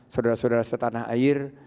saudara saudara setanah air